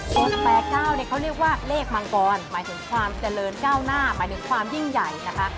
๘๙เนี่ยเขาเรียกว่าเลขมังกรหมายถึงความเจริญก้าวหน้าหมายถึงความยิ่งใหญ่นะคะ